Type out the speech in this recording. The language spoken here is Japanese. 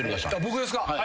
僕ですか？